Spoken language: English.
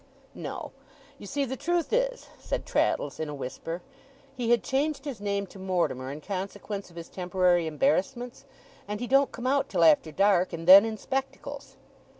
'No. You see the truth is,' said Traddles, in a whisper, 'he had changed his name to Mortimer, in consequence of his temporary embarrassments; and he don't come out till after dark and then in spectacles.